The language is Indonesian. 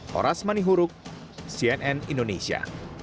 horas manihuruk cnn indonesia